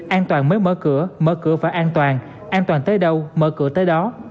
an toàn mới mở cửa mở cửa và an toàn an toàn tới đâu mở cửa tới đó